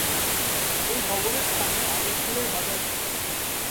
এই ভবনের স্থানে আগে ফুলের বাজার ছিল।